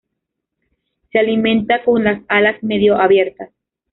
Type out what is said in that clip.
Se alimenta con las alas medio abiertas.